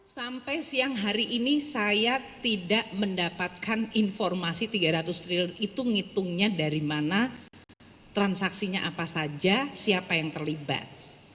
sampai siang hari ini saya tidak mendapatkan informasi rp tiga ratus triliun itu ngitungnya dari mana transaksinya apa saja siapa yang terlibat